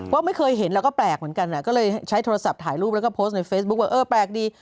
ว่าไม่เคยเห็นแล้วก็แปลกเหมือนกันก็เลยใช้โทรศัพท์ถ่ายรูปแล้วก็โพสต์ในเฟซบุ๊คว่าเออแปลกดี